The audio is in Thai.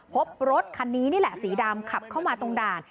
พบรถคันนี้นี่แหละสีดำขับเข้ามาตรงด่าน